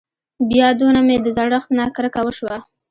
بيا دونه مې د زړښت نه کرکه وشوه.